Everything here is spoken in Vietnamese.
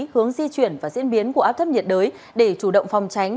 hướng di chuyển và diễn biến của áp thấp nhiệt đới để chủ động phòng tránh